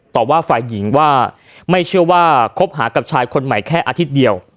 ตอบว่าฝ่ายหญิงว่าไม่เชื่อว่าคบหากับชายคนใหม่แค่อาทิตย์เดียว